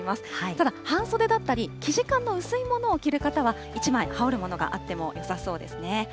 ただ、半袖だったり、生地感の薄いものを着る方は、１枚羽織るものがあってもよさそうですね。